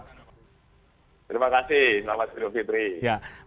terima kasih selamat hari raya idul fitri